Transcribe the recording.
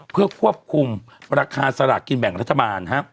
เพื่อควบคุมราคาสลากกินแบ่งรัฐบาล